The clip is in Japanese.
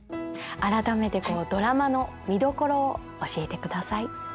改めてこうドラマの見どころを教えてください。